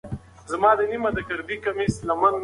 کوم ډول مسواک د ووریو لپاره زیات ګټور دی؟